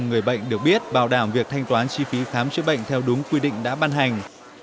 người bệnh được biết bảo đảm việc thanh toán chi phí khám chữa bệnh theo đúng quy định đã ban hành